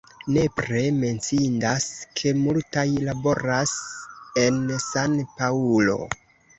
Nepre menciindas, ke multaj laboras en San-Paŭlo.